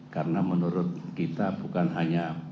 karena menurut kita bukan hanya